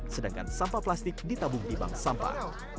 sedangkan sampah plastik ditabung di bank sampah